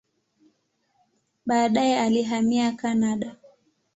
Baadaye alihamia Kanada.